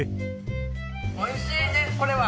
おいしいですこれは。